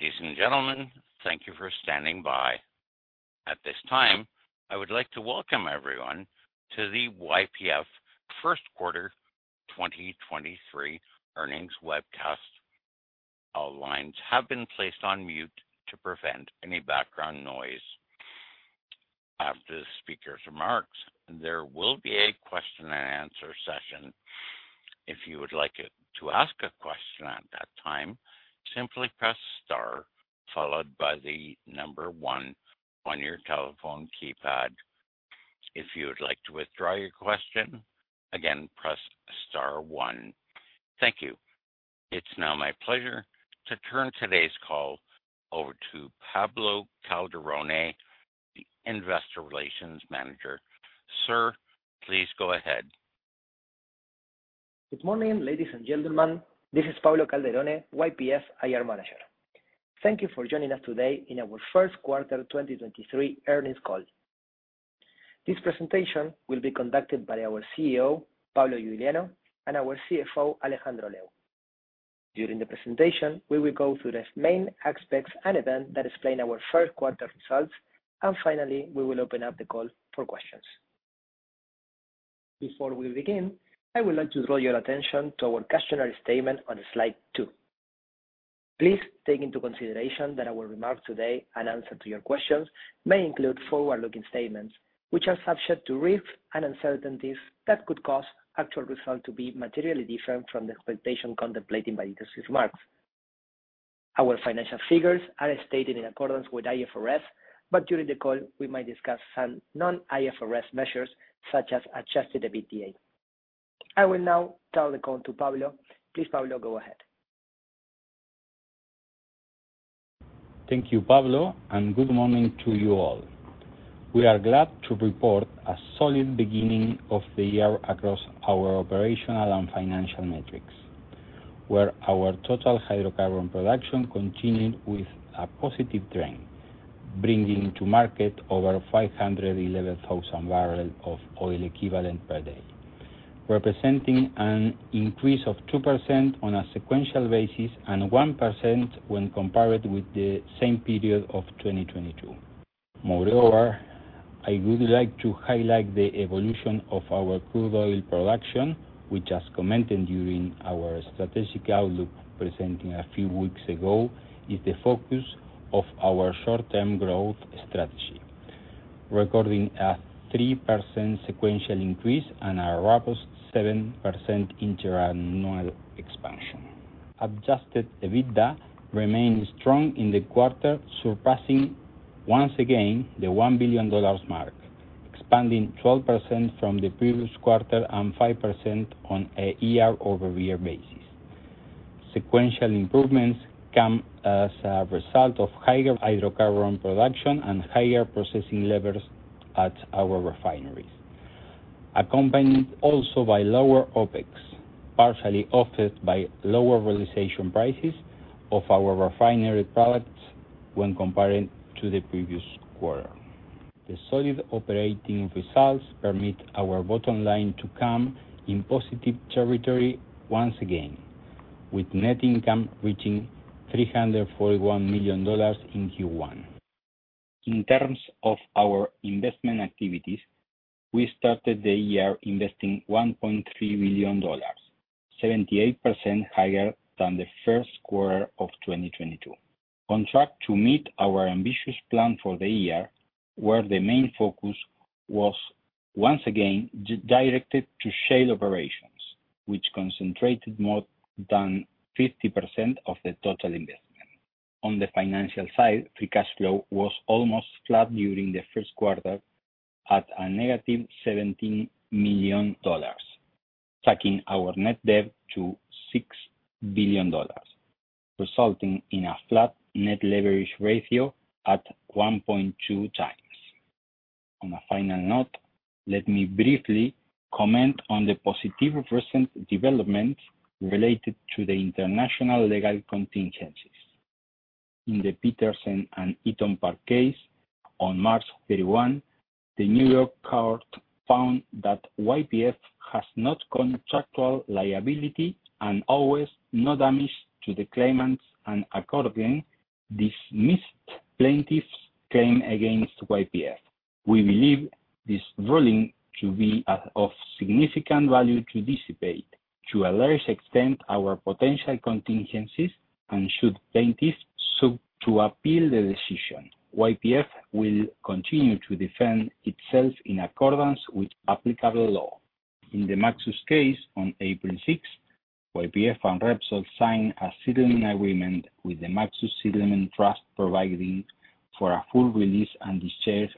Ladies and gentlemen, thank you for standing by. At this time, I would like to welcome everyone to the YPF first quarter 2023 earnings webcast. All lines have been placed on mute to prevent any background noise. After the speaker's remarks, there will be a question and answer session. If you would like to ask a question at that time, simply press star followed by one on your telephone keypad. If you would like to withdraw your question, again, press star one. Thank you. It's now my pleasure to turn today's call over to Pablo Calderone, the investor relations manager. Sir, please go ahead. Good morning, ladies and gentlemen. This is Pablo Calderone, YPF's IR manager. Thank you for joining us today in our first quarter 2023 earnings call. This presentation will be conducted by our CEO, Pablo Iuliano, and our CFO, Alejandro Lew. During the presentation, we will go through the main aspects and events that explain our first quarter results. Finally, we will open up the call for questions. Before we begin, I would like to draw your attention to our cautionary statement on slide two. Please take into consideration that our remarks today and answer to your questions may include forward-looking statements which are subject to risks and uncertainties that could cause actual results to be materially different from the expectation contemplated by these remarks. Our financial figures are stated in accordance with IFRS. During the call, we might discuss some non-IFRS measures, such as Adjusted EBITDA. I will now turn the call to Pablo. Please, Pablo, go ahead. Thank you, Pablo. Good morning to you all. We are glad to report a solid beginning of the year across our operational and financial metrics, where our total hydrocarbon production continued with a positive trend, bringing to market over 511,000 bbl of oil equivalent per day, representing an increase of 2% on a sequential basis and 1% when compared with the same period of 2022. Moreover, I would like to highlight the evolution of our crude oil production, which as commented during our strategic outlook presenting a few weeks ago, is the focus of our short-term growth strategy, recording a 3% sequential increase and a robust 7% interannual expansion. Adjusted EBITDA remained strong in the quarter, surpassing once again the $1 billion mark, expanding 12% from the previous quarter and 5% on a year-over-year basis. Sequential improvements come as a result of higher hydrocarbon production and higher processing levels at our refineries, accompanied also by lower OpEx, partially offset by lower realization prices of our refinery products when comparing to the previous quarter. The solid operating results permit our bottom line to come in positive territory once again, with net income reaching $341 million in Q1. In terms of our investment activities, we started the year investing $1.3 billion, 78% higher than the first quarter of 2022. On track to meet our ambitious plan for the year, where the main focus was once again directed to shale operations, which concentrated more than 50% of the total investment. On the financial side, free cash flow was almost flat during the first quarter at a negative $17 million, taking our net debt to $6 billion, resulting in a flat net leverage ratio at 1.2x. On a final note, let me briefly comment on the positive recent developments related to the international legal contingencies. In the Petersen and Eton Park case on March 31, the New York court found that YPF has no contractual liability and owes no damage to the claimants, and accordingly, dismissed plaintiffs claim against YPF. We believe this ruling to be of significant value to dissipate to a large extent our potential contingencies, and should plaintiffs seek to appeal the decision, YPF will continue to defend itself in accordance with applicable law. In the Maxus case on April 6th, YPF and Repsol signed a settlement agreement with the Maxus Settlement Trust, providing for a full release and discharge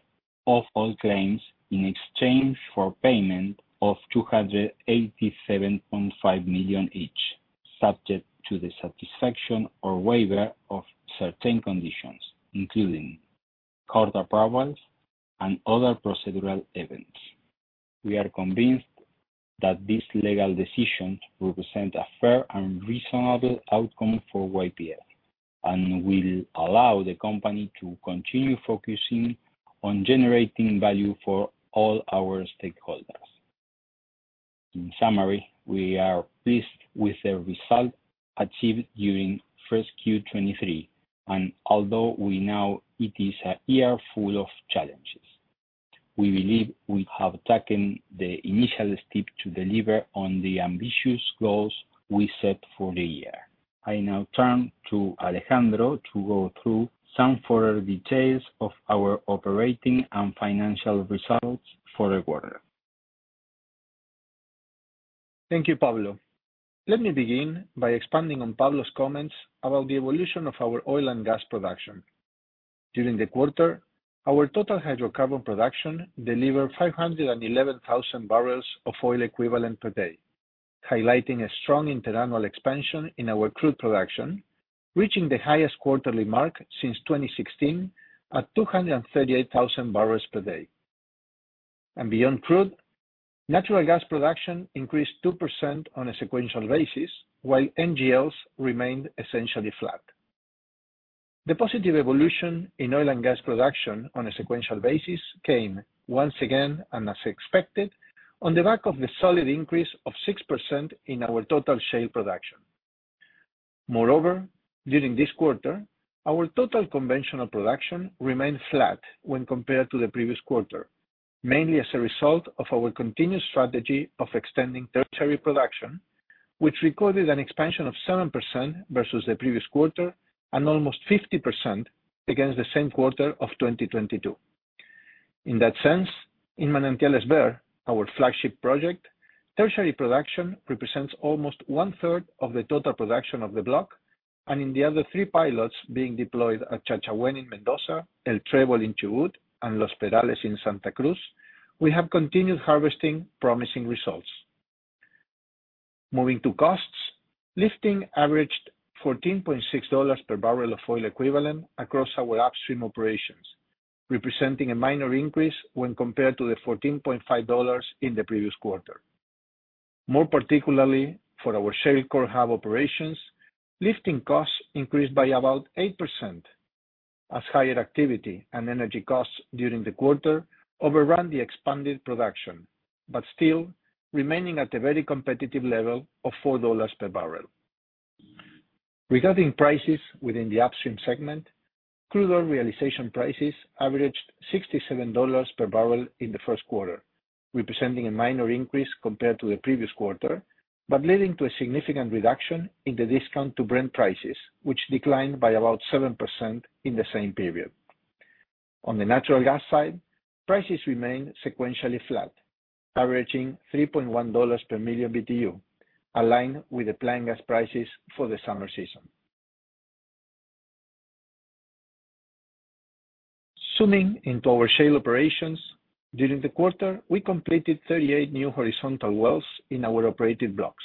of all claims in exchange for payment of $287.5 million each, subject to the satisfaction or waiver of certain conditions, including court approvals and other procedural events. We are convinced that this legal decision represents a fair and reasonable outcome for YPF and will allow the company to continue focusing on generating value for all our stakeholders. In summary, we are pleased with the result achieved during first Q 2023, Although we know it is a year full of challenges, we believe we have taken the initial step to deliver on the ambitious goals we set for the year. I now turn to Alejandro to go through some further details of our operating and financial results for the quarter. Thank you, Pablo. Let me begin by expanding on Pablo's comments about the evolution of our oil and gas production. During the quarter, our total hydrocarbon production delivered 511,000 bbl of oil equivalent per day, highlighting a strong internal expansion in our crude production, reaching the highest quarterly mark since 2016 at 238,000 bbl per day. Beyond crude, natural gas production increased 2% on a sequential basis, while NGLs remained essentially flat. The positive evolution in oil and gas production on a sequential basis came once again, and as expected, on the back of the solid increase of 6% in our total shale production. During this quarter, our total conventional production remained flat when compared to the previous quarter, mainly as a result of our continued strategy of extending tertiary production, which recorded an expansion of 7% versus the previous quarter and almost 50% against the same quarter of 2022. In that sense, in Manantiales Behr, our flagship project, tertiary production represents almost one-third of the total production of the block, and in the other three pilots being deployed at Chachahuén in Mendoza, El Trébol in Chubut, and Los Perales in Santa Cruz, we have continued harvesting promising results. Moving to costs, lifting averaged $14.6 per barrel of oil equivalent across our upstream operations, representing a minor increase when compared to the $14.5 in the previous quarter. More particularly, for our shared core hub operations, lifting costs increased by about 8% as higher activity and energy costs during the quarter overran the expanded production, but still remaining at a very competitive level of $4 per barrel. Regarding prices within the upstream segment, crude oil realization prices averaged $67 per barrel in the first quarter, representing a minor increase compared to the previous quarter, but leading to a significant reduction in the discount to Brent prices, which declined by about 7% in the same period. On the natural gas side, prices remained sequentially flat, averaging $3.1 per MMBTu, aligned with the planned gas prices for the summer season. Zooming into our shale operations, during the quarter, we completed 38 new horizontal wells in our operated blocks.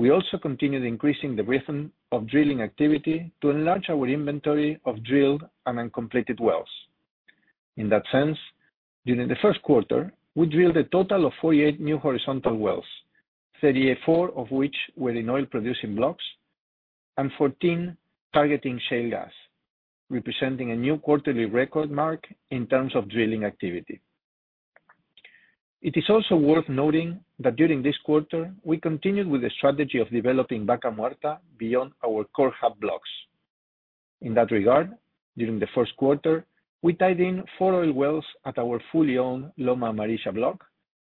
We also continued increasing the rhythm of drilling activity to enlarge our inventory of drilled and uncompleted wells. In that sense, during the first quarter, we drilled a total of 48 new horizontal wells, 34 of which were in oil-producing blocks and 14 targeting shale gas, representing a new quarterly record mark in terms of drilling activity. It is also worth noting that during this quarter, we continued with a strategy of developing Vaca Muerta beyond our core hub blocks. In that regard, during the first quarter, we tied in four oil wells at our fully owned Loma Jarillosa block,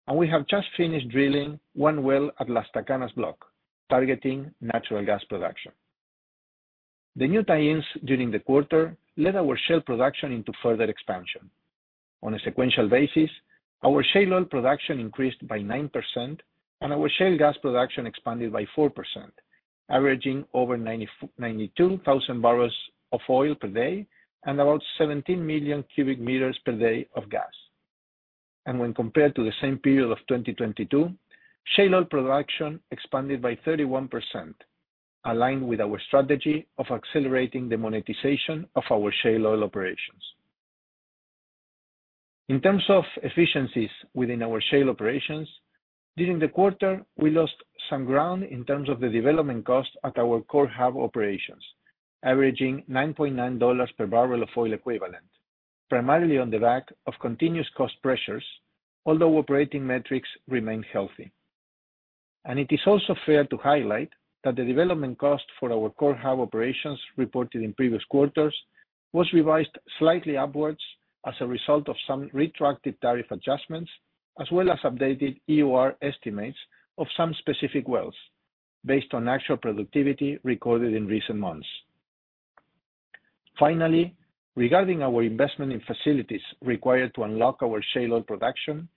and we have just finished drilling one well at Las Tacanas block, targeting natural gas production. The new tie-ins during the quarter led our shale production into further expansion. On a sequential basis, our shale oil production increased by 9%, and our shale gas production expanded by 4%, averaging over 92,000 bbl of oil per day and about 17 million cubic meters per day of gas. When compared to the same period of 2022, shale oil production expanded by 31%, aligned with our strategy of accelerating the monetization of our shale oil operations. In terms of efficiencies within our shale operations, during the quarter, we lost some ground in terms of the development cost at our core hub operations, averaging $9.9 per barrel of oil equivalent, primarily on the back of continuous cost pressures, although operating metrics remained healthy. It is also fair to highlight that the development cost for our core hub operations reported in previous quarters was revised slightly upwards as a result of some retroactive tariff adjustments as well as updated EOR estimates of some specific wells based on actual productivity recorded in recent months. Finally, regarding our investment in facilities required to unlock our shale oil production,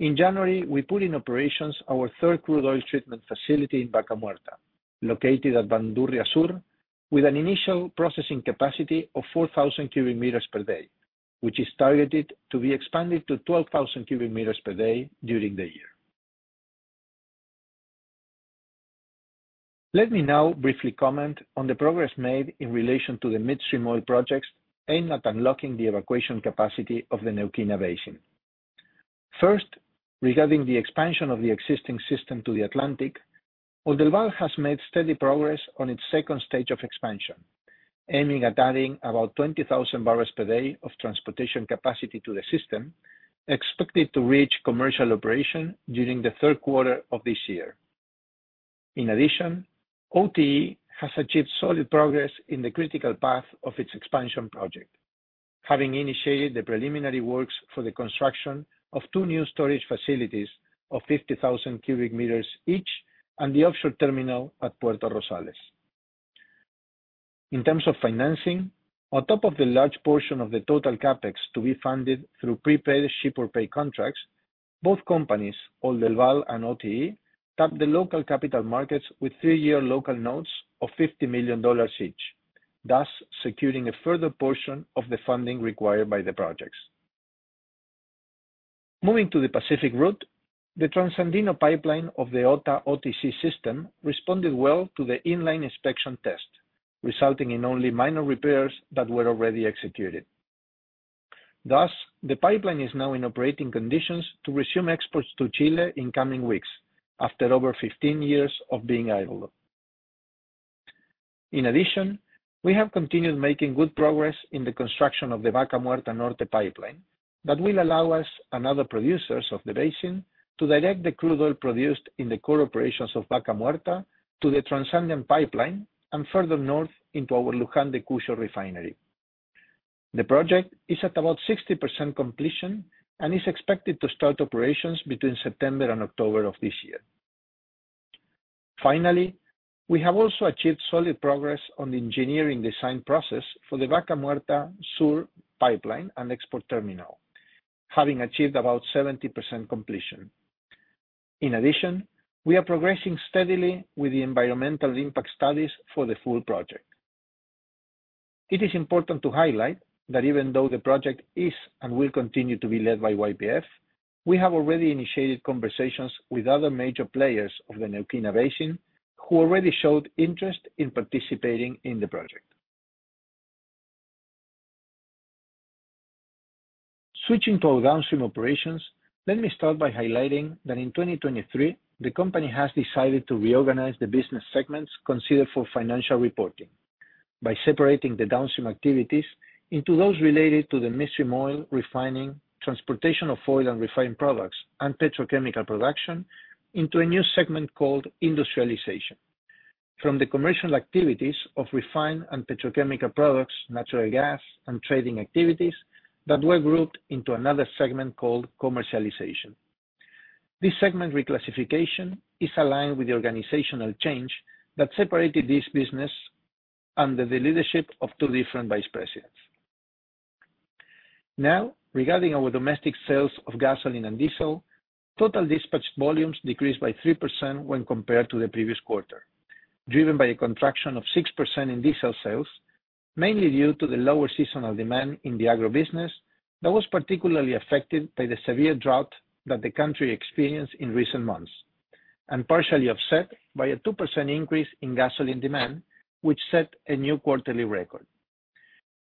in January, we put in operations our third crude oil treatment facility in Vaca Muerta, located at Bandurria Sur, with an initial processing capacity of 4,000 cubic meters per day, which is targeted to be expanded to 12,000 cubic meters per day during the year. Let me now briefly comment on the progress made in relation to the midstream oil projects aimed at unlocking the evacuation capacity of the Neuquén Basin. Regarding the expansion of the existing system to the Atlantic, Oldelval has made steady progress on its second stage of expansion. Aiming at adding about 20,000 bbl per day of transportation capacity to the system, expected to reach commercial operation during the third quarter of this year. OTE has achieved solid progress in the critical path of its expansion project, having initiated the preliminary works for the construction of two new storage facilities of 50,000 cubic meters each and the offshore terminal at Puerto Rosales. In terms of financing, on top of the large portion of the total CapEx to be funded through prepaid ship or pay contracts, both companies, Oldelval and OTE, tapped the local capital markets with three-year local notes of $50 million each, thus securing a further portion of the funding required by the projects. Moving to the Pacific route, the Transandino pipeline of the OTA/OTC system responded well to the in-line inspection test, resulting in only minor repairs that were already executed. Thus, the pipeline is now in operating conditions to resume exports to Chile in coming weeks after over 15 years of being idle. In addition, we have continued making good progress in the construction of the Vaca Muerta Norte pipeline that will allow us and other producers of the basin to direct the crude oil produced in the core operations of Vaca Muerta to the Transandino pipeline and further north into our Luján de Cuyo refinery. The project is at about 60% completion and is expected to start operations between September and October of this year. We have also achieved solid progress on the engineering design process for the Vaca Muerta Sur pipeline and export terminal, having achieved about 70% completion. We are progressing steadily with the environmental impact studies for the full project. It is important to highlight that even though the project is and will continue to be led by YPF, we have already initiated conversations with other major players of the Neuquén Basin who already showed interest in participating in the project. Switching to our downstream operations, let me start by highlighting that in 2023, the company has decided to reorganize the business segments considered for financial reporting by separating the downstream activities into those related to the midstream oil refining, transportation of oil and refined products, and petrochemical production into a new segment called Industrialization. From the commercial activities of refined and petrochemical products, natural gas, and trading activities that were grouped into another segment called Commercialization. This segment reclassification is aligned with the organizational change that separated this business under the leadership of two different vice presidents. Regarding our domestic sales of gasoline and diesel, total dispatch volumes decreased by 3% when compared to the previous quarter, driven by a contraction of 6% in diesel sales, mainly due to the lower seasonal demand in the agro business that was particularly affected by the severe drought that the country experienced in recent months, partially offset by a 2% increase in gasoline demand, which set a new quarterly record.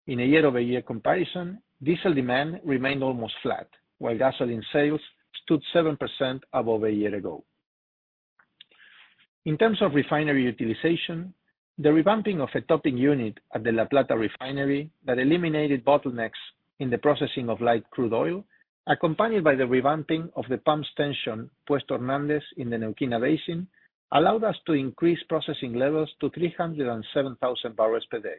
In a year-over-year comparison, diesel demand remained almost flat, while gasoline sales stood 7% above a year ago. In terms of refinery utilization, the revamping of a topping unit at the La Plata refinery that eliminated bottlenecks in the processing of light crude oil, accompanied by the revamping of the pump station, Puesto Hernández in the Neuquén Basin, allowed us to increase processing levels to 307,000 bbl per day,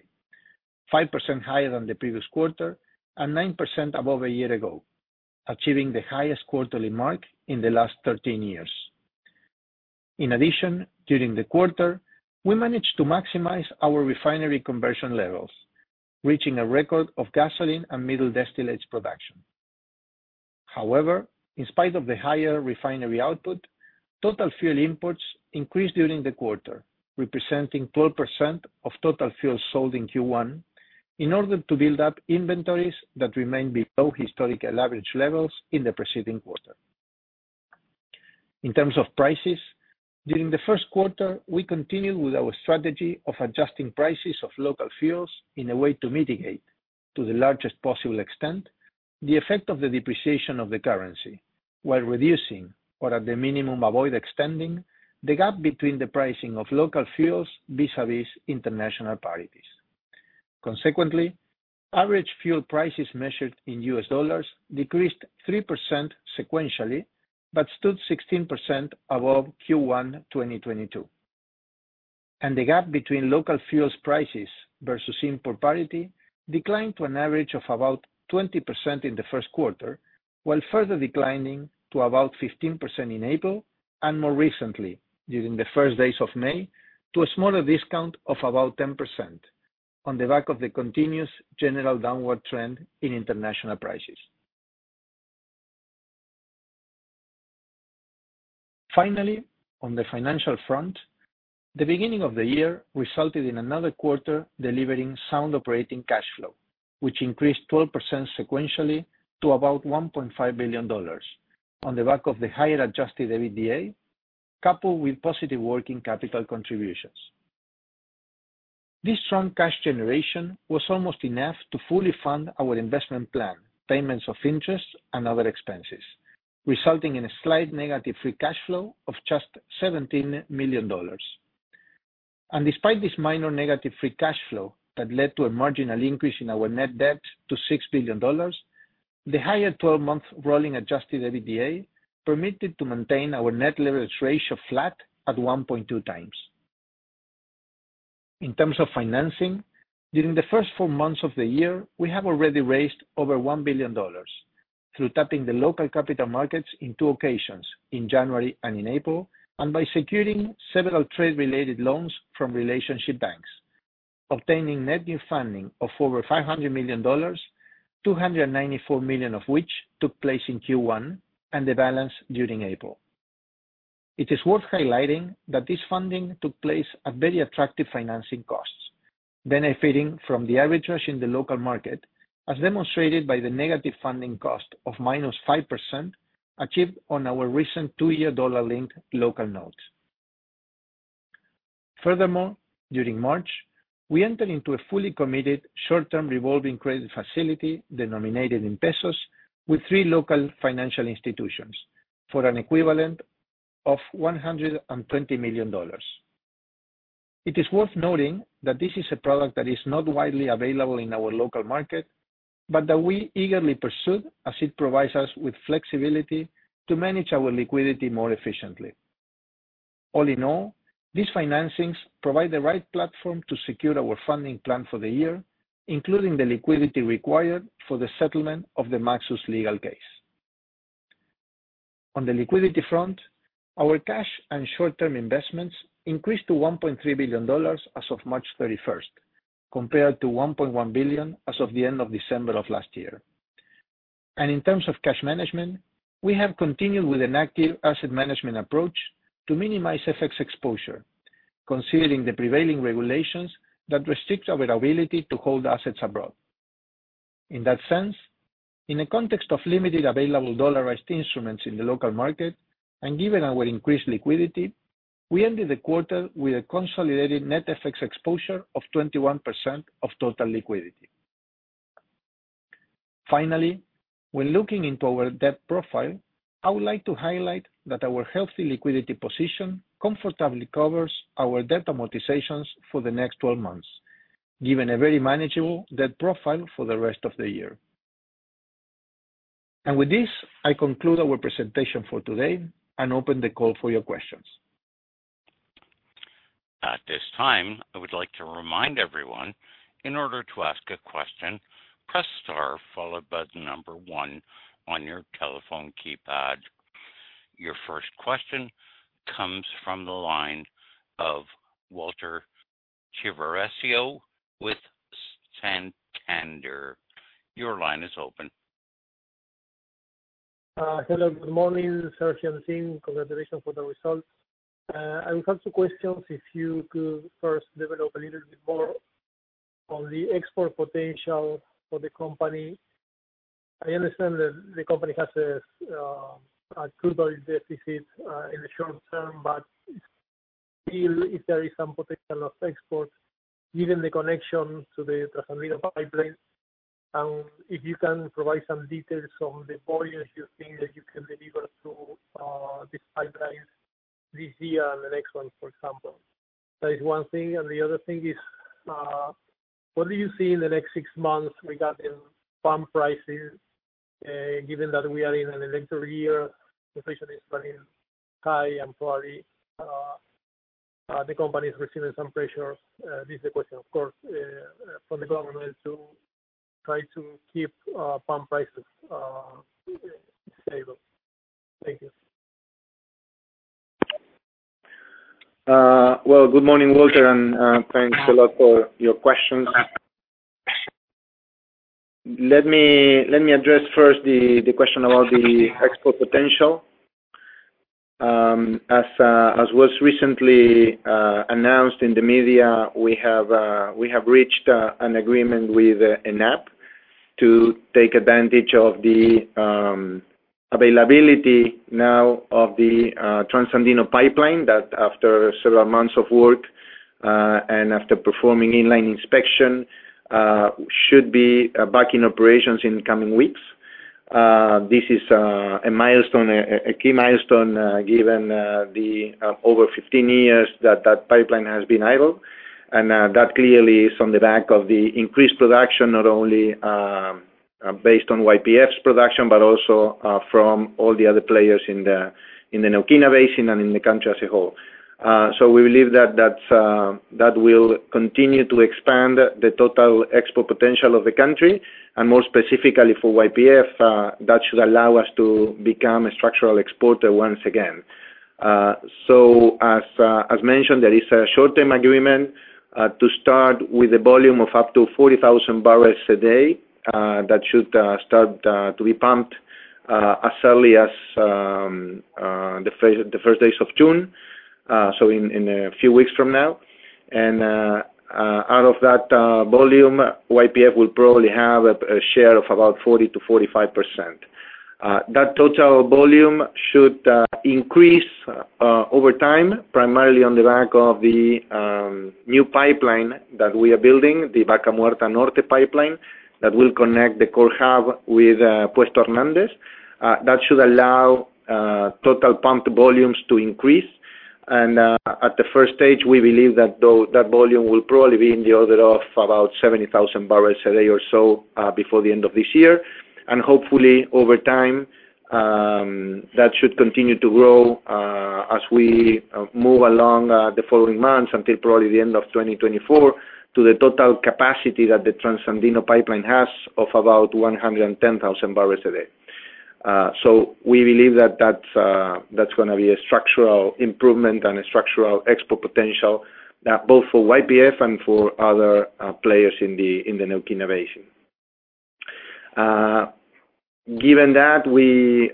5% higher than the previous quarter and 9% above a year ago, achieving the highest quarterly mark in the last 13 years. In addition, during the quarter, we managed to maximize our refinery conversion levels, reaching a record of gasoline and middle distillates production. However, in spite of the higher refinery output, total fuel imports increased during the quarter, representing 12% of total fuel sold in Q1 in order to build up inventories that remain below historical average levels in the preceding quarter. In terms of prices, during the first quarter, we continued with our strategy of adjusting prices of local fuels in a way to mitigate to the largest possible extent the effect of the depreciation of the currency while reducing or at the minimum, avoid extending the gap between the pricing of local fuels vis-à-vis international parities. Consequently, average fuel prices measured in U.S. dollars decreased 3% sequentially, but stood 16% above Q1 2022. The gap between local fuels prices versus import parity declined to an average of about 20% in the first quarter, while further declining to about 15% in April, and more recently, during the first days of May, to a smaller discount of about 10% on the back of the continuous general downward trend in international prices. Finally, on the financial front, the beginning of the year resulted in another quarter delivering sound operating cash flow, which increased 12% sequentially to about $1.5 billion on the back of the higher Adjusted EBITDA, coupled with positive working capital contributions. This strong cash generation was almost enough to fully fund our investment plan, payments of interest, and other expenses. Resulting in a slight negative free cash flow of just $17 million. Despite this minor negative free cash flow that led to a marginal increase in our net debt to $6 billion, the higher 12-month rolling Adjusted EBITDA permitted to maintain our net leverage ratio flat at 1.2x. In terms of financing, during the first four months of the year, we have already raised over $1 billion through tapping the local capital markets in two occasions, in January and in April, and by securing several trade-related loans from relationship banks, obtaining net new funding of over $500 million, $294 million of which took place in Q1 and the balance during April. It is worth highlighting that this funding took place at very attractive financing costs, benefiting from the arbitrage in the local market, as demonstrated by the negative funding cost of -5% achieved on our recent two-year dollar-linked local notes. Furthermore, during March, we entered into a fully committed short-term revolving credit facility denominated in pesos with three local financial institutions for an equivalent of $120 million. It is worth noting that this is a product that is not widely available in our local market, but that we eagerly pursued as it provides us with flexibility to manage our liquidity more efficiently. All in all, these financings provide the right platform to secure our funding plan for the year, including the liquidity required for the settlement of the Maxus legal case. On the liquidity front, our cash and short-term investments increased to $1.3 billion as of March 31st, compared to $1.1 billion as of the end of December of last year. In terms of cash management, we have continued with an active asset management approach to minimize FX exposure, considering the prevailing regulations that restrict our ability to hold assets abroad. In that sense, in a context of limited available dollarized instruments in the local market, and given our increased liquidity, we ended the quarter with a consolidated net FX exposure of 21% of total liquidity. Finally, when looking into our debt profile, I would like to highlight that our healthy liquidity position comfortably covers our debt amortizations for the next 12 months, giving a very manageable debt profile for the rest of the year. With this, I conclude our presentation for today and open the call for your questions. At this time, I would like to remind everyone, in order to ask a question, press star followed by the number one on your telephone keypad. Your first question comes from the line of Walter Chiarvesio with Santander. Your line is open. Hello, good morning, Pablo and team. Congratulations for the results. I have some questions. If you could first develop a little bit more on the export potential for the company. I understand that the company has a twofold deficit in the short term, but still, if there is some potential of exports, given the connection to the Transandino pipeline, and if you can provide some details on the volumes you think that you can deliver to this pipeline this year and the next one, for example. That is one thing. The other thing is, what do you see in the next six months regarding pump prices, given that we are in an electoral year, inflation is running high, and probably, the company is receiving some pressure, this is a question of course, from the government to try to keep pump prices stable. Thank you. Well, good morning, Walter, thanks a lot for your questions. Let me address first the question about the export potential. As was recently announced in the media, we have reached an agreement with ENAP to take advantage of the availability now of the Transandino pipeline that after several months of work and after performing inline inspection should be back in operations in the coming weeks. This is a milestone, a key milestone, given the over 15 years that that pipeline has been idle. That clearly is on the back of the increased production, not only based on YPF's production, but also from all the other players in the Neuquén Basin and in the country as a whole. We believe that that's that will continue to expand the total export potential of the country, and more specifically for YPF, that should allow us to become a structural exporter once again. As mentioned, there is a short-term agreement to start with a volume of up to 40,000 barrels a day, that should start to be pumped as early as the first days of June, so in a few weeks from now. Out of that volume, YPF will probably have a share of about 40%-45%. That total volume should increase Over time, primarily on the back of the new pipeline that we are building, the Vaca Muerta Norte pipeline, that will connect the core hub with Puesto Hernández, that should allow total pumped volumes to increase. At the first stage, we believe that though, that volume will probably be in the order of about 70,000 bbl a day or so before the end of this year. Hopefully, over time, that should continue to grow as we move along the following months until probably the end of 2024 to the total capacity that the TransAndino pipeline has of about 110,000 bbl a day. We believe that that's gonna be a structural improvement and a structural export potential that both for YPF and for other players in the Neuquén Basin. Given that, we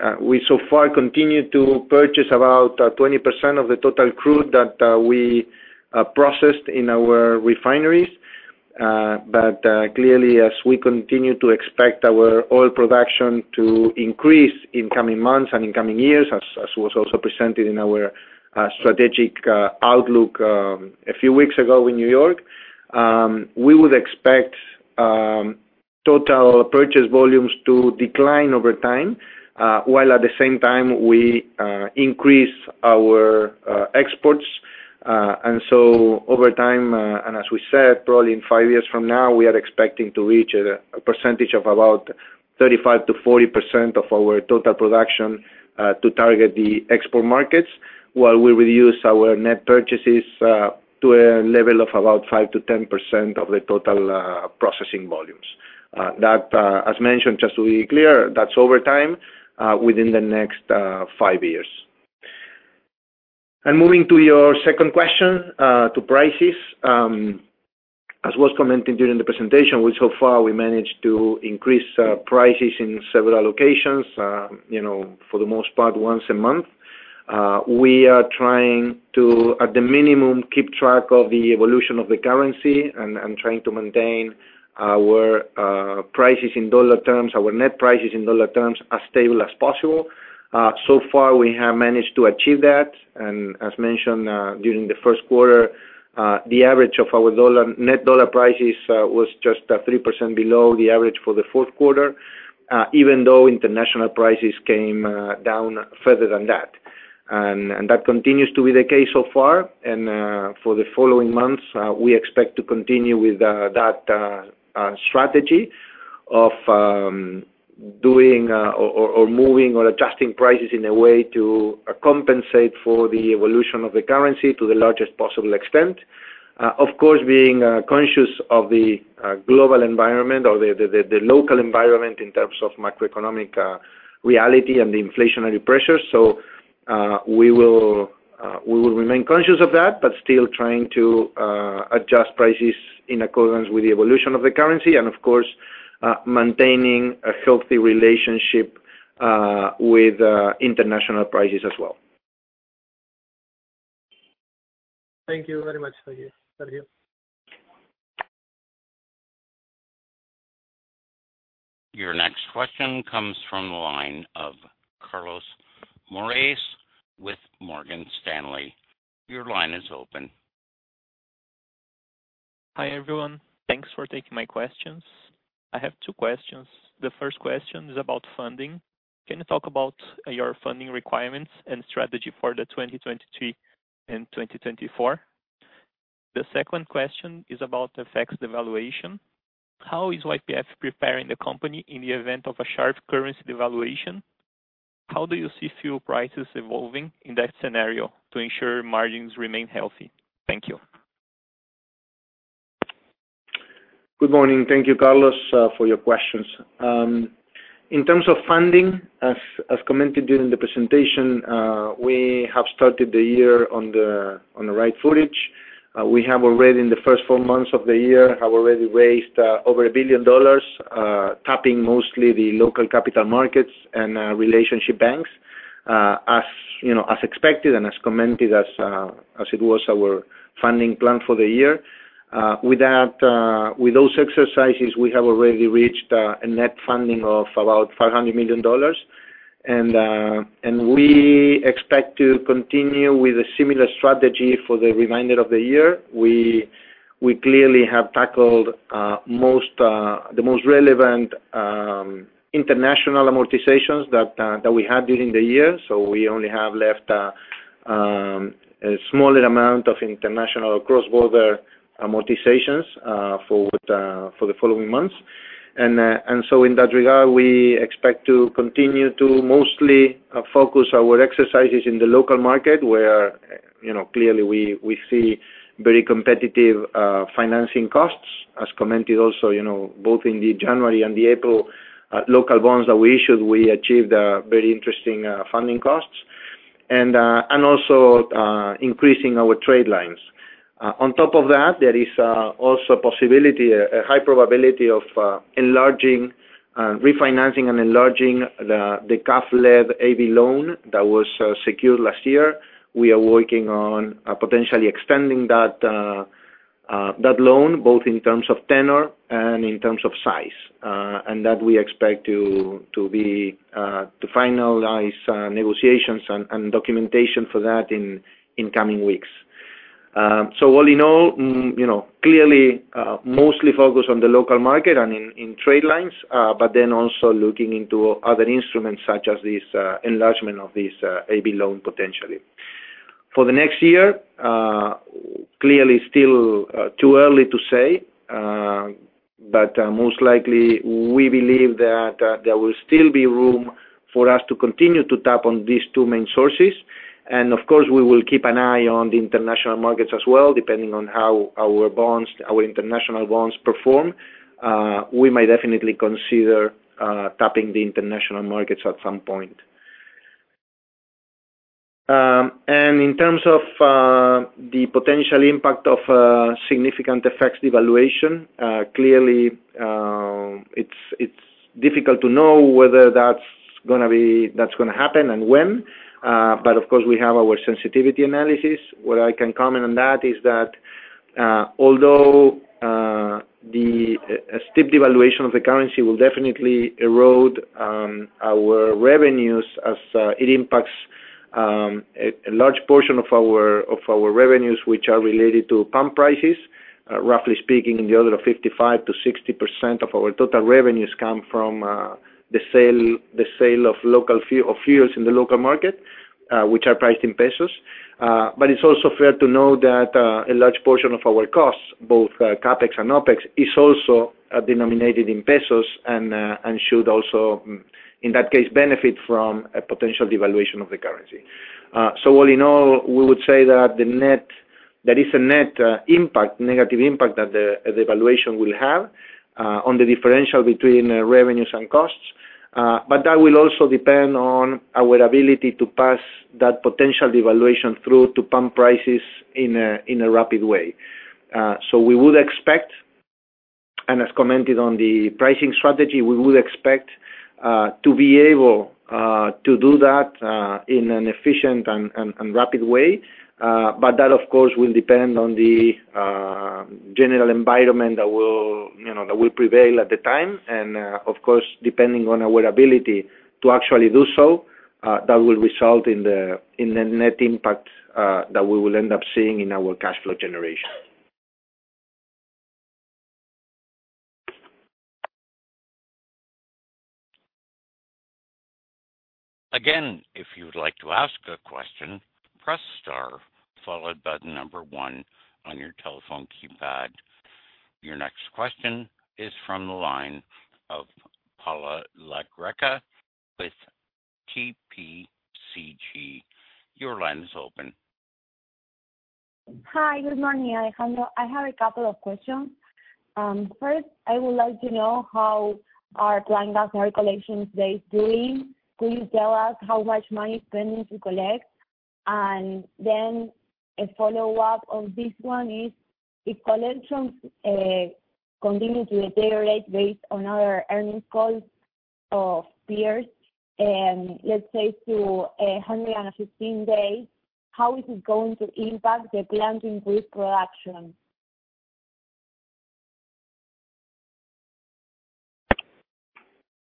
so far continue to purchase about 20% of the total crude that we processed in our refineries. Clearly, as we continue to expect our oil production to increase in coming months and in coming years, as was also presented in our strategic outlook a few weeks ago in New York, we would expect total purchase volumes to decline over time, while at the same time we increase our exports. Over time, and as we said, probably in five years from now, we are expecting to reach a percentage of about 35%-40% of our total production, to target the export markets while we reduce our net purchases to a level of about 5%-10% of the total processing volumes. That, as mentioned, just to be clear, that's over time, within the next five years. Moving to your second question, to prices. As was commented during the presentation, we so far managed to increase prices in several locations, you know, for the most part once a month. We are trying to, at the minimum, keep track of the evolution of the currency and trying to maintain our prices in dollar terms, our net prices in dollar terms, as stable as possible. So far we have managed to achieve that. As mentioned, during the first quarter, the average of our dollar, net dollar prices, was just 3% below the average for the fourth quarter, even though international prices came down further than that. That continues to be the case so far. For the following months, we expect to continue with that strategy of doing or moving or adjusting prices in a way to compensate for the evolution of the currency to the largest possible extent. Of course, being conscious of the global environment or the local environment in terms of macroeconomic reality and the inflationary pressures. We will remain conscious of that, but still trying to adjust prices in accordance with the evolution of the currency and of course, maintaining a healthy relationship with international prices as well. Thank you very much, Alejandro. Your next question comes from the line of Carlos Morris with Morgan Stanley. Your line is open. Hi, everyone. Thanks for taking my questions. I have two questions. The first question is about funding. Can you talk about your funding requirements and strategy for 2023 and 2024? The second question is about the effects of devaluation. How is YPF preparing the company in the event of a sharp currency devaluation? How do you see fuel prices evolving in that scenario to ensure margins remain healthy? Thank you. Good morning. Thank you, Carlos, for your questions. In terms of funding, as commented during the presentation, we have started the year on the right footage. We have already, in the first four months of the year, raised over $1 billion, tapping mostly the local capital markets and relationship banks. As you know, as expected and as commented as it was our funding plan for the year. With that, with those exercises, we have already reached a net funding of about $500 million. We expect to continue with a similar strategy for the remainder of the year. We clearly have tackled most the most relevant international amortizations that we had during the year. We only have left a smaller amount of international cross-border amortizations for the following months. In that regard, we expect to continue to mostly focus our exercises in the local market where, you know, clearly we see very competitive financing costs. As commented also, you know, both in the January and the April local bonds that we issued, we achieved very interesting funding costs. Also increasing our trade lines. On top of that, there is also a possibility, a high probability of enlarging refinancing and enlarging the CAF-led A/B loan that was secured last year. We are working on potentially extending that loan, both in terms of tenor and in terms of size, and that we expect to be to finalize negotiations and documentation for that in coming weeks. All in all, you know, clearly mostly focused on the local market and in trade lines, but then also looking into other instruments such as this enlargement of this A/B loan potentially. For the next year, clearly still too early to say, but most likely we believe that there will still be room for us to continue to tap on these two main sources. Of course, we will keep an eye on the international markets as well, depending on how our bonds, our international bonds perform. We may definitely consider tapping the international markets at some point. In terms of the potential impact of significant effects devaluation, clearly, it's difficult to know whether that's gonna happen and when, but of course we have our sensitivity analysis. What I can comment on that is that although a steep devaluation of the currency will definitely erode our revenues as it impacts a large portion of our revenues which are related to pump prices. Roughly speaking, in the order of 55%-60% of our total revenues come from the sale of local fuels in the local market, which are priced in pesos. It's also fair to note that a large portion of our costs, both CapEx and OpEx, is also denominated in pesos and should also in that case benefit from a potential devaluation of the currency. All in all, we would say that the net, there is a net impact, negative impact that the devaluation will have on the differential between revenues and costs. That will also depend on our ability to pass that potential devaluation through to pump prices in a rapid way. We would expect, and as commented on the pricing strategy, we would expect to be able to do that in an efficient and rapid way. That of course will depend on the general environment that will, you know, that will prevail at the time. Of course, depending on our ability to actually do so, that will result in the, in the net impact, that we will end up seeing in our cash flow generation. Again, if you would like to ask a question, press star followed by one on your telephone keypad. Your next question is from the line of Paula La Greca with TPCG. Your line is open. Hi, good morning, Alejandro. I have a couple of questions. First, I would like to know how our Plan Gas and our collections day is doing. Can you tell us how much money is pending to collect? A follow-up on this one is, if collections continue to deteriorate based on our earnings calls of peers, and let's say to 115 days, how is it going to impact the plant increase production?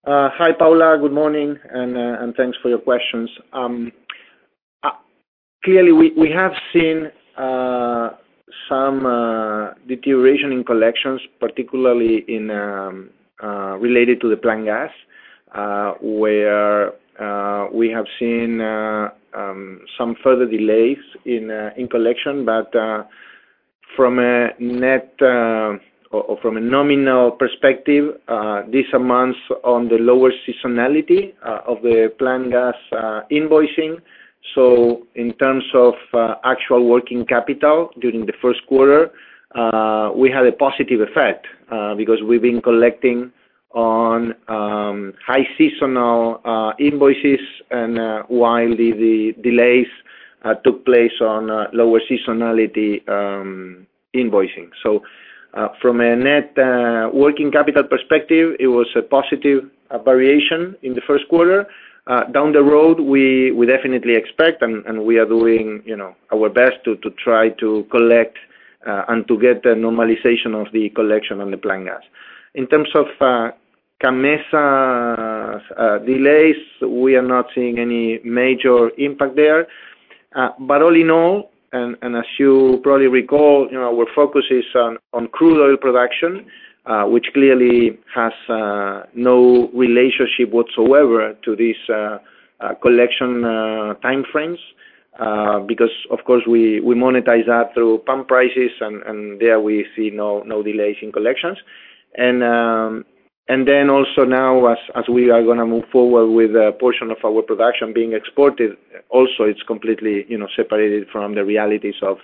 Hi, Paula. Good morning, and thanks for your questions. Clearly we have seen some deterioration in collections, particularly in related to the Plan Gas, where we have seen some further delays in collection. From a net or from a nominal perspective, this amounts on the lower seasonality of the Plan Gas invoicing. In terms of actual working capital during the first quarter, we had a positive effect because we've been collecting on high seasonal invoices and while the delays took place on lower seasonality invoicing. From a net working capital perspective, it was a positive variation in the first quarter. Down the road, we definitely expect and we are doing, you know, our best to try to collect and to get the normalization of the collection on the Plan Gas. In terms of CAMMESA's delays, we are not seeing any major impact there. But all in all, and as you probably recall, you know, our focus is on crude oil production, which clearly has no relationship whatsoever to this collection time frames. Because of course we monetize that through pump prices and there we see no delays in collections. Also now as we are gonna move forward with a portion of our production being exported, also it's completely, you know, separated from the realities of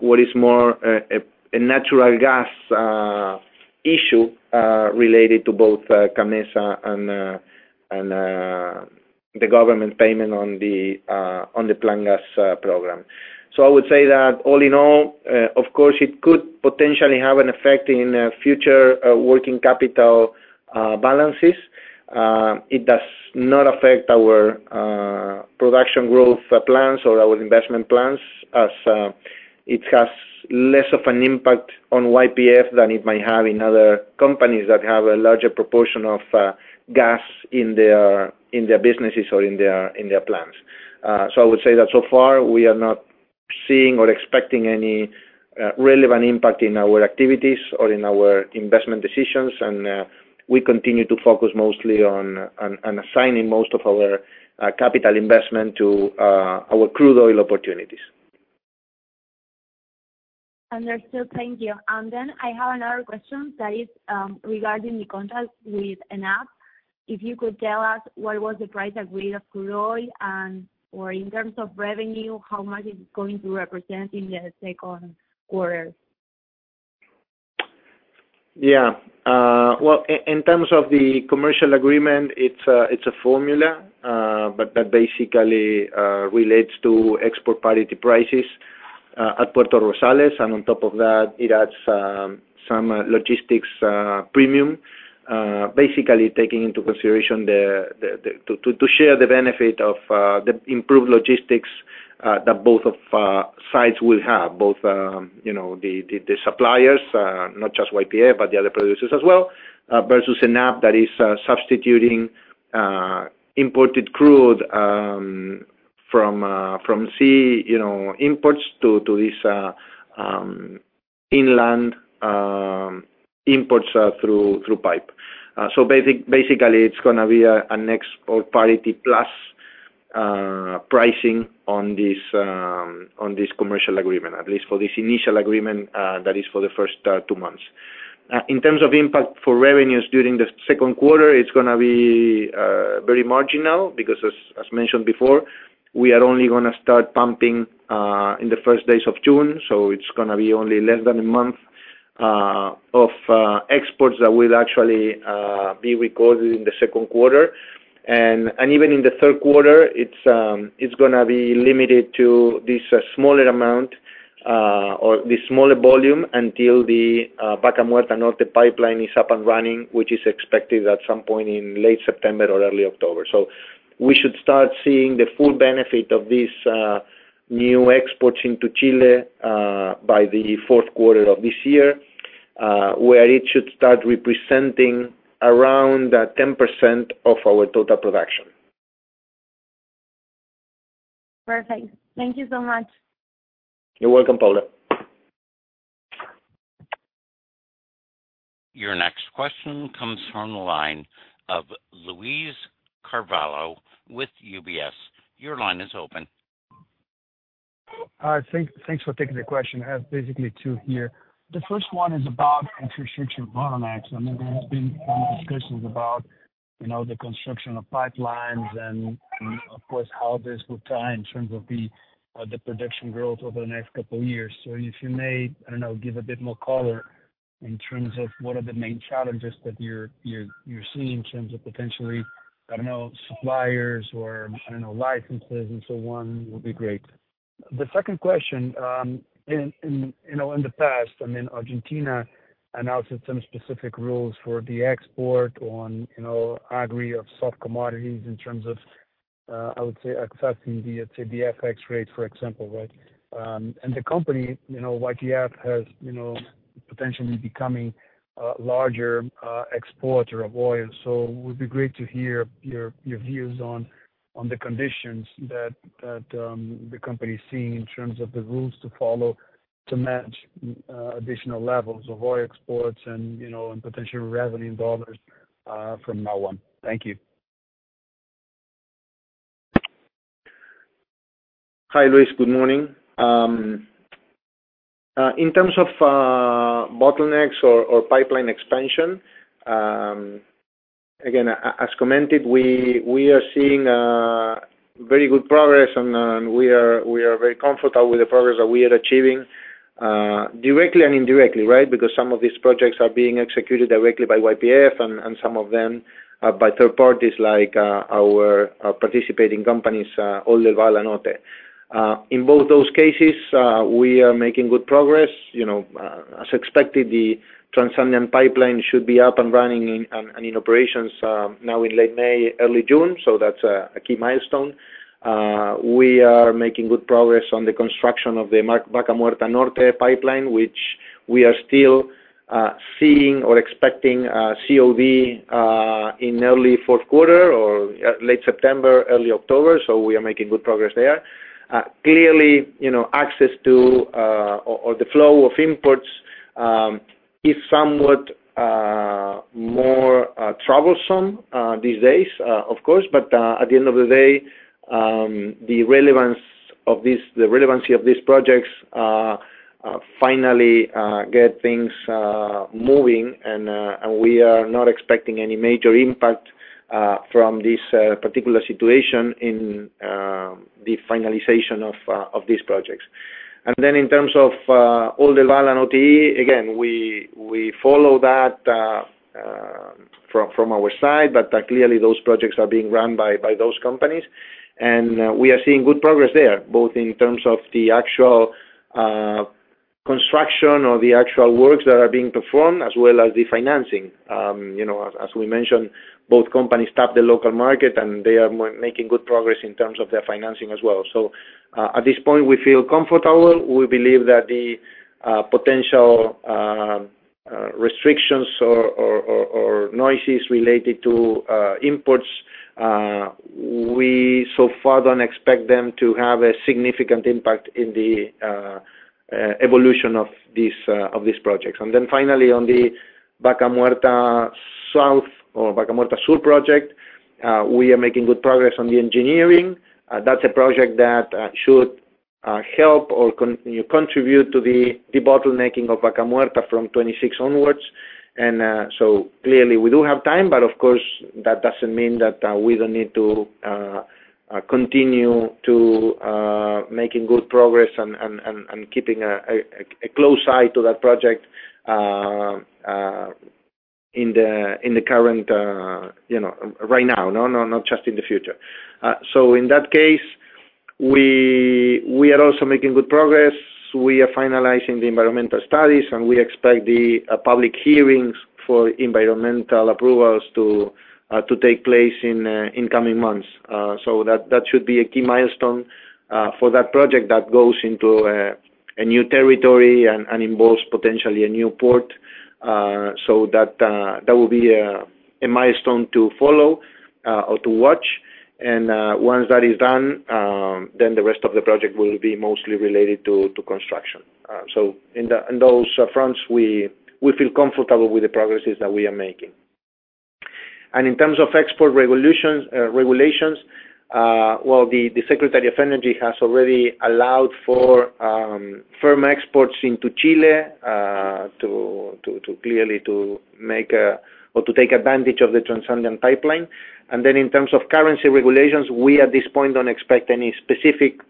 what is more a natural gas issue related to both CAMMESA and the government payment on the Plan Gas program. I would say that all in all, of course, it could potentially have an effect in future working capital balances. It does not affect our production growth plans or our investment plans as it has less of an impact on YPF than it might have in other companies that have a larger proportion of gas in their businesses or in their plans. I would say that so far, we are not seeing or expecting any relevant impact in our activities or in our investment decisions. We continue to focus mostly on assigning most of our capital investment to our crude oil opportunities. Understood. Thank you. I have another question that is, regarding the contract with ENAP. If you could tell us what was the price agreed of crude oil and or in terms of revenue, how much is it going to represent in the second quarter? Yeah. Well, in terms of the commercial agreement, it's a formula, but that basically relates to export parity prices at Puerto Rosales. On top of that, it adds some logistics premium basically taking into consideration to share the benefit of the improved logistics that both of sides will have, both, you know, the suppliers, not just YPF, but the other producers as well, versus ENAP that is substituting imported crude from sea, you know, imports to this inland imports through pipe. Basically, it's gonna be an export parity plus, pricing on this commercial agreement, at least for this initial agreement, that is for the first, two months. In terms of impact for revenues during the second quarter, it's gonna be, very marginal because as mentioned before, we are only gonna start pumping, in the first days of June. It's gonna be only less than one month of exports that will actually, be recorded in the second quarter. Even in the third quarter, it's gonna be limited to this smaller amount, or the smaller volume until the, Vaca Muerta Norte pipeline is up and running, which is expected at some point in late September or early October. We should start seeing the full benefit of these new exports into Chile by the fourth quarter of this year, where it should start representing around 10% of our total production. Perfect. Thank you so much. You're welcome, Paula. Your next question comes from the line of Luiz Carvalho with UBS. Your line is open. Hi. Thanks for taking the question. I have basically two here. The first one is about infrastructure bottlenecks. I mean, there has been some discussions about, you know, the construction of pipelines and, of course, how this will tie in terms of the production growth over the next couple of years. If you may, I don't know, give a bit more color in terms of what are the main challenges that you're seeing in terms of potentially, I don't know, suppliers or, I don't know, licenses and so on would be great. The second question, in, you know, in the past, I mean, Argentina announced some specific rules for the export on, you know, agri of soft commodities in terms of, I would say, accessing the, let's say the FX rate, for example, right? The company, you know, YPF has, you know, potentially becoming a larger exporter of oil. It would be great to hear your views on the conditions that the company is seeing in terms of the rules to follow to match additional levels of oil exports and, you know, and potential revenue dollars from now on. Thank you. Hi, Luiz. Good morning. In terms of bottlenecks or pipeline expansion, again, as commented, we are seeing very good progress and we are, we are very comfortable with the progress that we are achieving, directly and indirectly, right? Because some of these projects are being executed directly by YPF and some of them by third parties like our participating companies, Oldelval and OTE. In both those cases, we are making good progress. You know, as expected, the Transandean pipeline should be up and running and in operations now in late May, early June. So that's a key milestone. We are making good progress on the construction of the Vaca Muerta Norte pipeline, which we are still seeing or expecting a COD in early fourth quarter or late September, early October. We are making good progress there. Clearly, you know, access to or the flow of imports is somewhat more troublesome these days, of course. At the end of the day, the relevancy of these projects finally get things moving and we are not expecting any major impact from this particular situation in the finalization of these projects. Then in terms of Oldelval and OTE, again, we follow that from our side, but clearly those projects are being run by those companies. We are seeing good progress there, both in terms of the actual construction or the actual works that are being performed, as well as the financing. You know, as we mentioned, both companies tap the local market, and they are making good progress in terms of their financing as well. At this point, we feel comfortable. We believe that the potential restrictions or noises related to imports, we so far don't expect them to have a significant impact in the evolution of these projects. Finally, on the Vaca Muerta South or Vaca Muerta Sur project, we are making good progress on the engineering. That's a project that should help or contribute to the debottlenecking of Vaca Muerta from 26 onwards. Clearly we do have time, but of course, that doesn't mean that we don't need to continue to making good progress and keeping a close eye to that project in the current, you know, right now, not just in the future. In that case, we are also making good progress. We are finalizing the environmental studies, and we expect the public hearings for environmental approvals to take place in coming months. That should be a key milestone for that project that goes into a new territory and involves potentially a new port. That will be a milestone to follow or to watch. Once that is done, then the rest of the project will be mostly related to construction. In those fronts, we feel comfortable with the progresses that we are making. In terms of export regulations, well, the Secretary of Energy has already allowed for firm exports into Chile to clearly take advantage of the Transandean Pipeline. In terms of currency regulations, we at this point don't expect any specific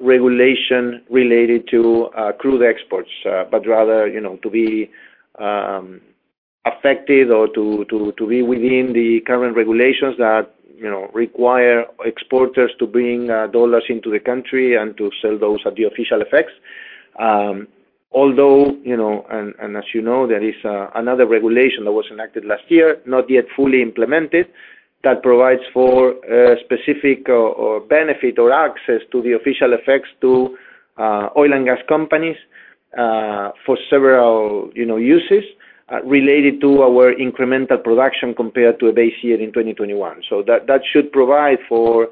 regulation related to crude exports, but rather, you know, to be affected or to be within the current regulations that, you know, require exporters to bring dollars into the country and to sell those at the official FX. Although, you know, as you know, there is another regulation that was enacted last year, not yet fully implemented, that provides for specific or benefit or access to the official FX to oil and gas companies for several, you know, uses related to our incremental production compared to a base year in 2021. That should provide for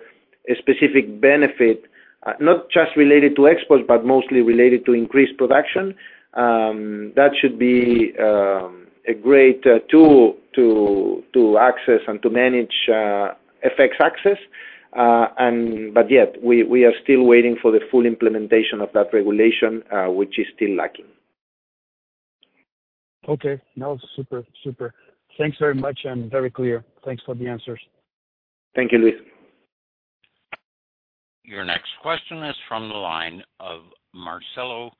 a specific benefit, not just related to exports, but mostly related to increased production. That should be a great tool to access and to manage FX access. We are still waiting for the full implementation of that regulation, which is still lacking. Okay. No, super. Thanks very much and very clear. Thanks for the answers. Thank you, Luis. Your next question is from the line of Marcelo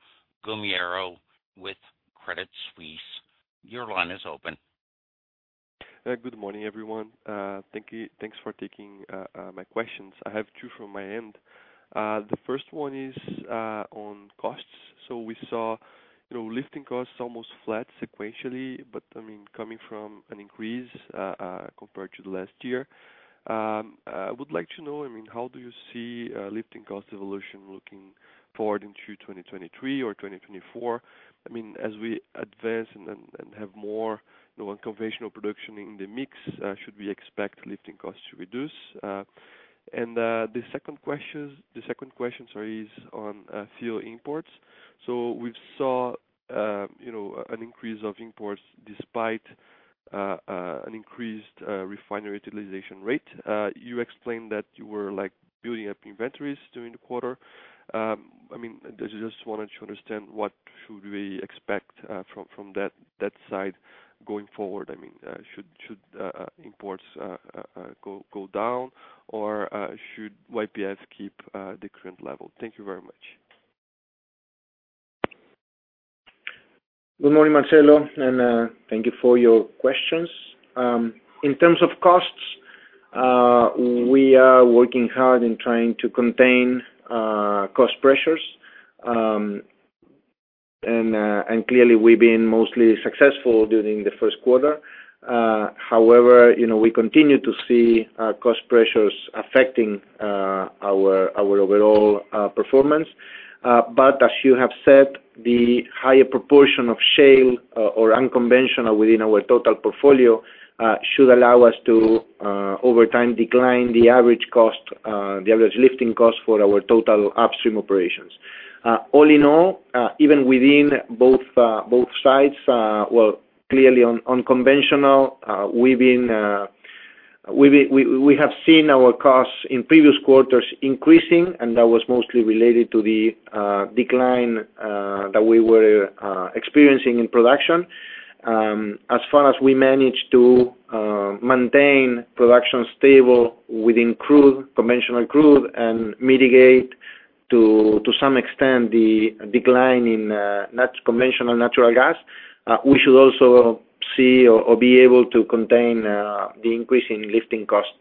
Gumiero with Credit Suisse. Your line is open. Good morning, everyone. Thanks for taking my questions. I have two from my end. The first one is on costs. We saw, you know, lifting costs almost flat sequentially, but I mean, coming from an increase compared to the last year. I would like to know, I mean, how do you see lifting cost evolution looking forward into 2023 or 2024? I mean, as we advance and have more, you know, unconventional production in the mix, should we expect lifting costs to reduce? And the second question, sorry, is on fuel imports. We've saw, you know, an increase of imports despite an increased refinery utilization rate. You explained that you were, like, building up inventories during the quarter. I just wanted to understand what should we expect from that side going forward? Should imports go down or should YPF keep the current level? Thank you very much. Good morning, Marcelo, thank you for your questions. In terms of costs, we are working hard in trying to contain cost pressures. Clearly we've been mostly successful during the 1st quarter. However, you know, we continue to see cost pressures affecting our overall performance. As you have said, the higher proportion of shale or unconventional within our total portfolio should allow us to over time, decline the average cost, the average lifting cost for our total upstream operations. All in all, even within both sides, well, clearly on conventional, we have seen our costs in previous quarters increasing, that was mostly related to the decline that we were experiencing in production. ed to maintain production stable within crude, conventional crude and mitigate to some extent the decline in conventional natural gas. We should also see or be able to contain the increase in lifting costs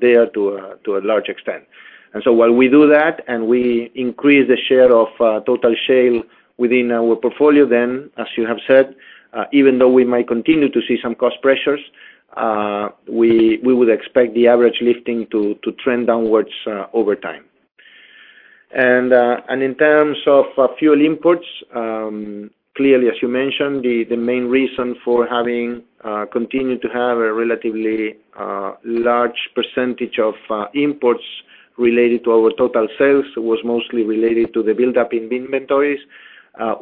there to a large extent. While we do that and we increase the share of total shale within our portfolio, then as you have said, even though we might continue to see some cost pressures, we would expect the average lifting to trend downwards over time. In terms of fuel imports, clearly, as you mentioned, the main reason for having continue to have a relatively large percentage of imports related to our total sales was mostly related to the buildup in inventories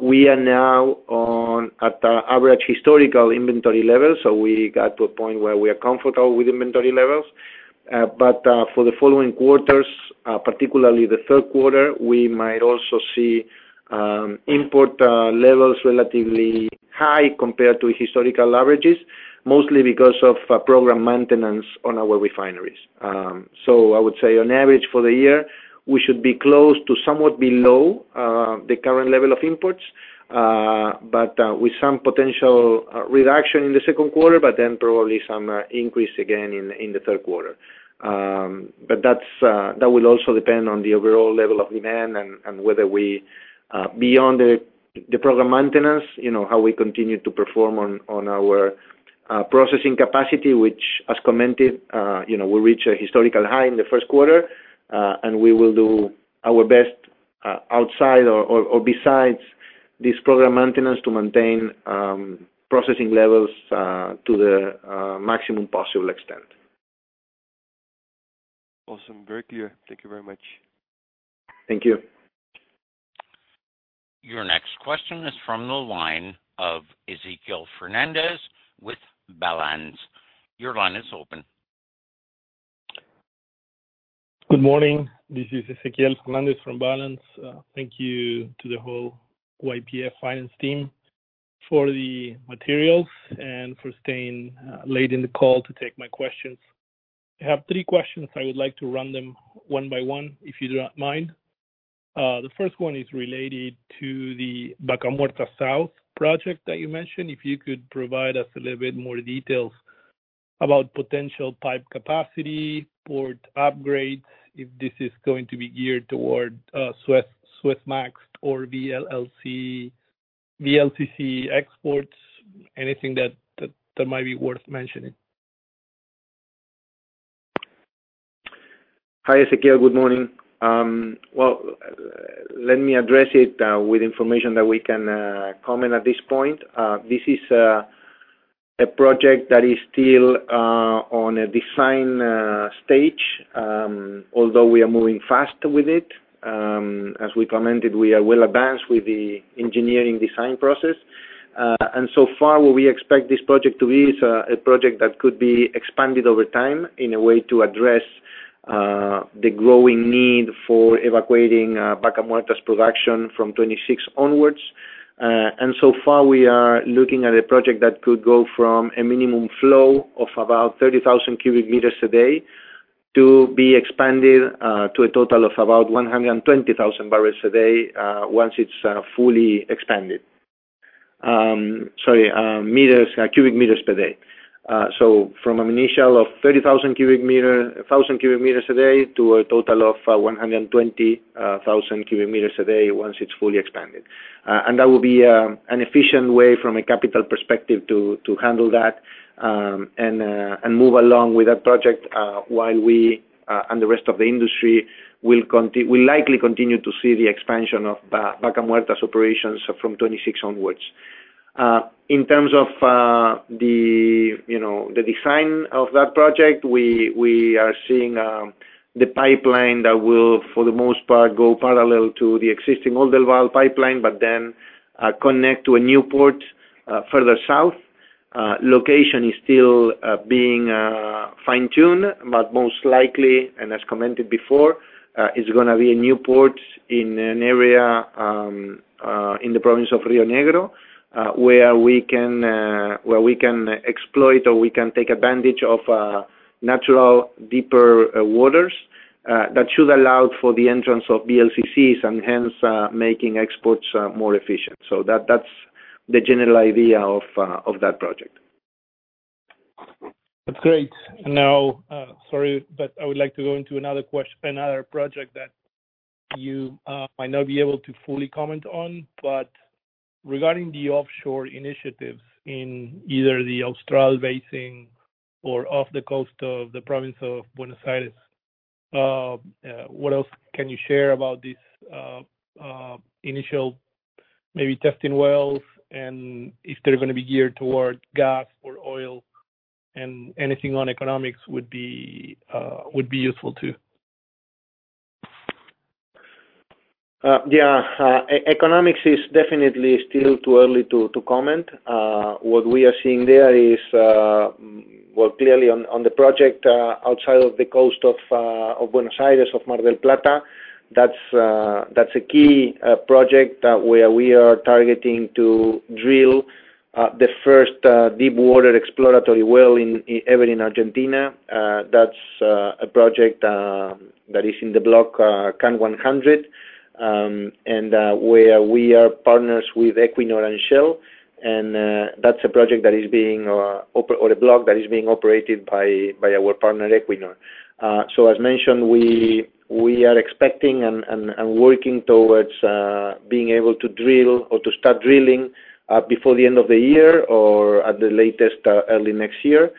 We are now on at average historical inventory levels. We got to a point where we are comfortable with inventory levels. For the following quarters, particularly the third quarter, we might also see import levels relatively high compared to historical averages, mostly because of program maintenance on our refineries. I would say on average for the year, we should be close to somewhat below the current level of imports. With some potential reduction in the second quarter, probably some increase again in the third quarter. That's... That will also depend on the overall level of demand and whether we, beyond the program maintenance, you know, how we continue to perform on our processing capacity, which as commented, you know, will reach a historical high in the first quarter. We will do our best, outside or besides this program maintenance, to maintain processing levels to the maximum possible extent. Awesome. Very clear. Thank you very much. Thank you. Your next question is from the line of Ezequiel Fernandez with Balanz. Your line is open. Good morning. This is Ezequiel Fernandez from Balanz. Thank you to the whole YPF finance team for the materials and for staying late in the call to take my questions. I have three questions. I would like to run them one by one, if you do not mind. The first one is related to the Vaca Muerta South project that you mentioned. If you could provide us a little bit more details about potential pipe capacity, port upgrades, if this is going to be geared toward Suezmax or VLCC exports. Anything that might be worth mentioning. Hi, Ezequiel. Good morning. Well, let me address it with information that we can comment at this point. This is a project that is still on a design stage, although we are moving fast with it. As we commented, we are well advanced with the engineering design process. So far what we expect this project to be is a project that could be expanded over time in a way to address the growing need for evacuating Vaca Muerta's production from 2026 onwards. So far, we are looking at a project that could go from a minimum flow of about 30,000 cubic meters a day to be expanded to a total of about 120,000 bbl a day once it's fully expanded. Sorry, cubic meters per day. From an initial of 30,000 cubic meters a day to a total of 120 thousand cubic meters a day once it's fully expanded. That will be an efficient way from a capital perspective to handle that and move along with that project while we and the rest of the industry will likely continue to see the expansion of Vaca Muerta's operations from 26 onwards. In terms of the, you know, the design of that project, we are seeing the pipeline that will for the most part go parallel to the existing old well pipeline, connect to a new port further south. Location is still being fine-tuned, but most likely, and as commented before, is gonna be a new port in an area in the province of Río Negro, where we can exploit or we can take advantage of natural deeper waters that should allow for the entrance of VLCCs and hence, making exports more efficient. That's the general idea of that project. That's great. Sorry, but I would like to go into another project that you might not be able to fully comment on. Regarding the offshore initiatives in either the Austral Basin or off the coast of the province of Buenos Aires, what else can you share about this initial maybe testing wells and if they're gonna be geared toward gas or oil? Anything on economics would be useful too. Yeah. Economics is definitely still too early to comment. What we are seeing there is, well, clearly on the project outside of the coast of Buenos Aires, of Mar del Plata, that's a key project where we are targeting to drill the first deep water exploratory well ever in Argentina. That's a project that is in the block CAN 100. Where we are partners with Equinor and Shell. That's a project that is being, or a block that is being operated by our partner, Equinor. As mentioned, we are expecting and working towards being able to drill or to start drilling before the end of the year or at the latest early next year.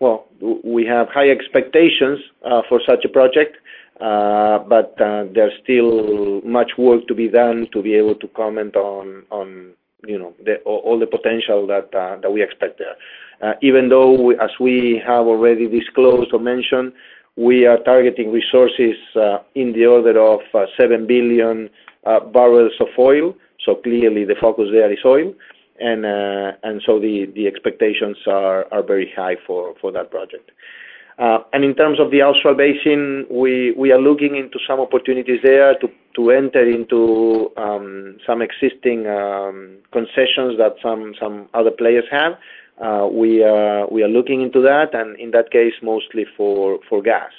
Well, we have high expectations for such a project. There's still much work to be done to be able to comment on, you know, the, all the potential that we expect there. Even though as we have already disclosed or mentioned, we are targeting resources in the order of 7 billion bbl of oil. Clearly the focus there is oil. The expectations are very high for that project. In terms of the Austral Basin, we are looking into some opportunities there to enter into some existing concessions that some other players have. We are looking into that, and in that case, mostly for gas.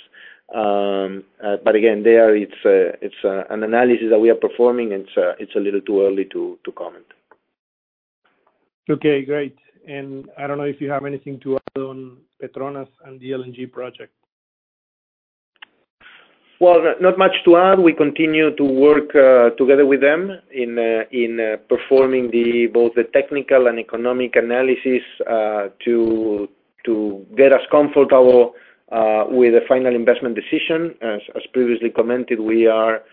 Again, there it's an analysis that we are performing. It's, it's a little too early to comment. Okay, great. I don't know if you have anything to add on PETRONAS and the LNG project. Well, not much to add. We continue to work together with them in performing both the technical and economic analysis to get us comfortable with a final investment decision. As previously commented, we are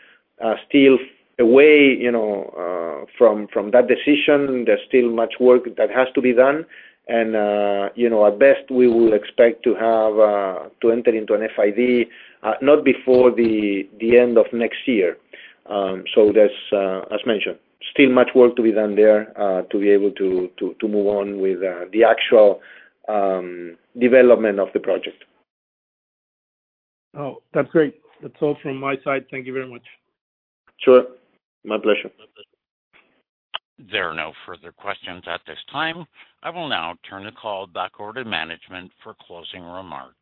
still away, you know, from that decision. There's still much work that has to be done. You know, at best, we will expect to have to enter into an FID not before the end of next year. So there's, as mentioned, still much work to be done there to be able to move on with the actual development of the project. Oh, that's great. That's all from my side. Thank you very much. Sure. My pleasure. There are no further questions at this time. I will now turn the call back over to management for closing remarks.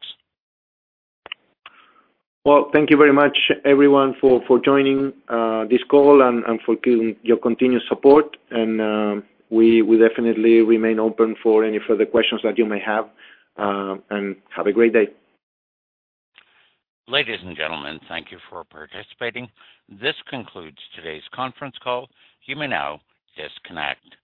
Well, thank you very much everyone for joining this call and for keeping your continuous support. We definitely remain open for any further questions that you may have. Have a great day. Ladies and gentlemen, thank you for participating. This concludes today's conference call. You may now disconnect.